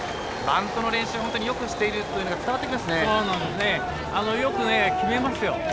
バントの練習をよくしているというのが伝わってきますね。